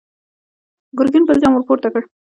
ګرګين بل جام ور پورته کړ!